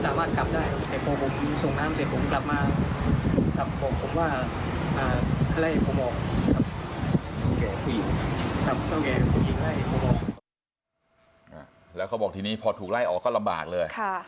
แล้วเขาบอกทีนี้พอถูกไล่ออกก็ลำบากเลย